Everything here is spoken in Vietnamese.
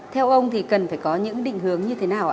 theo ông thì cần phải có những định hướng như thế nào ạ